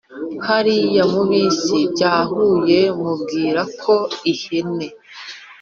hariya mu bisi bya huye mubwira ko ihene